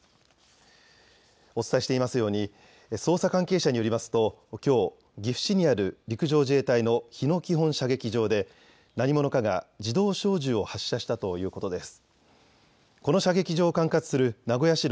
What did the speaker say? お伝えしていますように捜査関係者によりますときょう岐阜市にある陸上自衛隊の日野基本射撃場で何者かが自動小銃を発射したということです。